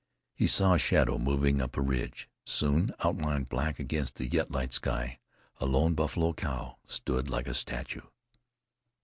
He saw a shadow moving up a ridge. Soon, outlined black against the yet light sky, a lone buffalo cow stood like a statue.